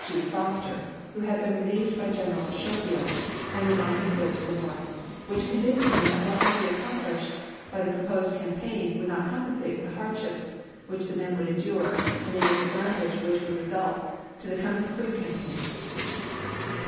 G. Foster — who had been relieved by General Schofield and was on his way to the North — which convinced him that what might be accomplished by the proposed cam paign would not compensate for the hardships which the men would endure and the disadvantage which would result to the coming spring campaign.